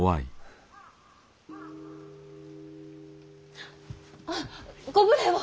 はあっご無礼を。